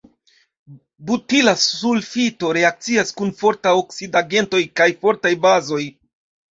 Butila sulfito reakcias kun fortaj oksidigagentoj kaj fortaj bazoj.